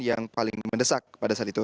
yang paling mendesak pada saat itu